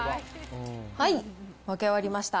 分け終わりました。